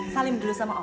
salim dulu sama om